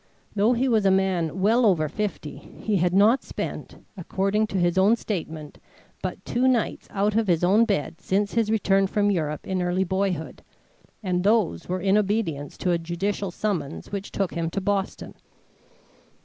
Though he was a man well over fifty he had not spent, according to his own statement, but two nights out of his own bed since his return from Europe in early boyhood, and those were in obedience to a judicial summons which took him to Boston.